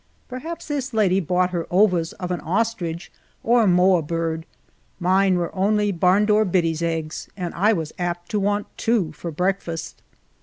Perhaps this lady bought her ovas of an ostrich or a moa bird ; mine were only barn door biddies' eggs, and I was apt to want two tor breakfast.